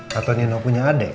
katanya no punya adek